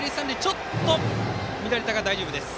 ちょっと送球が乱れたが大丈夫です。